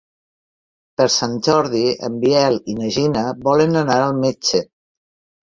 Per Sant Jordi en Biel i na Gina volen anar al metge.